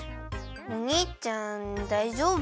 おにいちゃんだいじょうぶ？